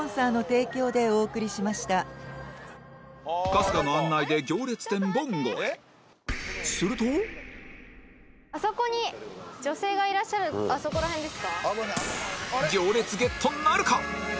春日の案内で行列店ぼんごへあそこに女性がいらっしゃるあそこらへんですか？